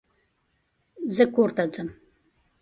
زه کور ته ځم.